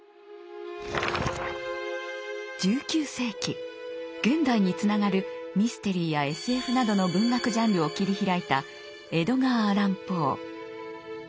１９世紀現代につながるミステリーやＳＦなどの文学ジャンルを切り開いたエドガー・アラン・ポー。